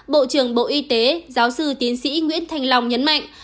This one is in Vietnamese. bộ trưởng bộ y tế giáo sư tiến sĩ nguyễn thành lòng nhấn mạnh